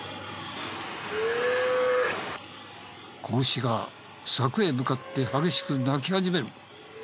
子牛が柵へ向かって激しく鳴き始める。